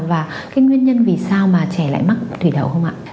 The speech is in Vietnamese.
và nguyên nhân vì sao trẻ lại mắc thủy đậu không ạ